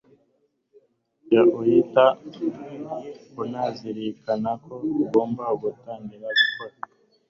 jya uhita unazirikana ko ugomba gutangira gukora